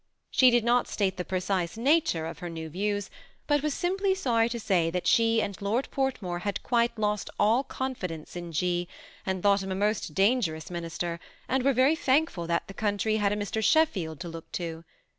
She did not state the pre cise nature of her new views, but was simply sorry to say that she and Lord Portmore had quite lost all confidence in G., and thought him a most dangerous minister, and were very thankful that the country had a Mr. Sheffield to look to.